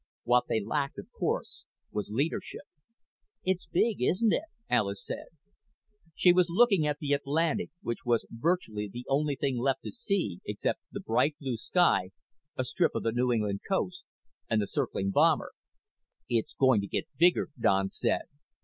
What they lacked, of course, was leadership. "It's big, isn't it?" Alis said. She was looking at the Atlantic, which was virtually the only thing left to see except the bright blue sky, a strip of the New England coast, and the circling bomber. "It's going to get bigger," Don said.